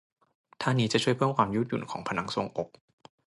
ท่านี้จะช่วยเพิ่มความยืดหยุ่นของผนังทรวงอก